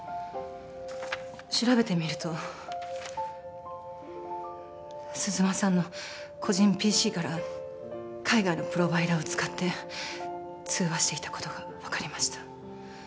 調べてみると鈴間さんの個人ＰＣから海外のプロバイダーを使って通話していたことが分かりました